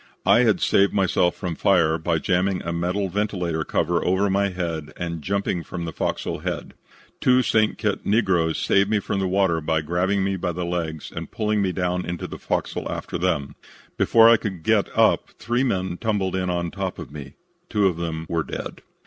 "I had saved myself from fire by jamming a metal ventilator cover over my head and jumping from the fo'c's'l head. Two St. Kitts negroes saved me from the water by grabbing me by the legs and pulling me down into the fo'c's'l after them. Before I could get up three men tumbled in on top of me. Two of them were dead.